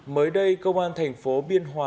mới đây công an thành phố biên hòa